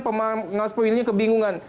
pengawas pemilihnya kebingungan